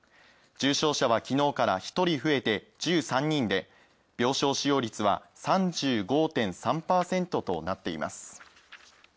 重症者は昨日から１人増えて１３人で、病床使用率は３５．３％となっています。